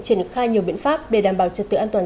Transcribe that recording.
triển khai nhiều biện pháp để đảm bảo trật tự an toàn